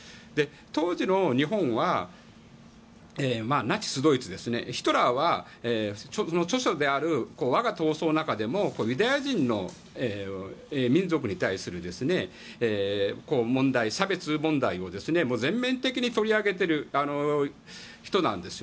当時の日本はナチス・ドイツのヒトラーの著書である「我が闘争」の中でユダヤ人の民族に対する問題差別問題を全面的に取り上げている人なんです。